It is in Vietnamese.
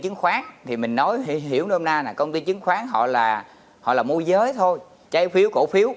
chứng khoán thì mình nói thì hiểu nôm na là công ty chứng khoán họ là họ là môi giới thôi trái phiếu cổ phiếu